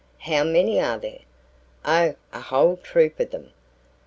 "How many are there?" "Oh, a whole troup of them."